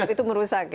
itu merusak ya